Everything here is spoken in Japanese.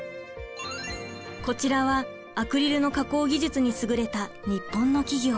こちらはアクリルの加工技術に優れた日本の企業。